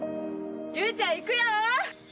雄ちゃん行くよ！